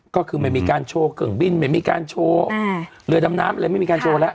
ก็คือไม่มีการโชว์เกลืองบินเหลือดำน้ำเลยไม่มีการโชว์ละ